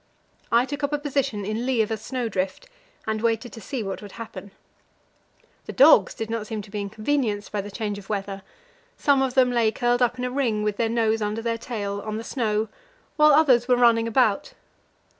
I took up a position in lee of a snow drift, and waited to see what would happen. The dogs did not seem to be inconvenienced by the change of weather; some of them lay curled up in a ring, with their nose under their tail, on the snow, while others were running about.